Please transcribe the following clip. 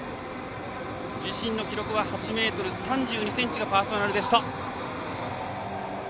自身の記録は８ｍ３２ｃｍがパーソナルベスト。